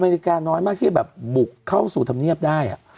นาฬิกาน้อยมากที่จะแบบบุกเข้าสู่ธรรมเนียบได้